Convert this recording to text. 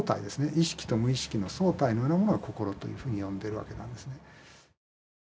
意識と無意識の総体のようなものを心というふうに呼んでるわけなんですね。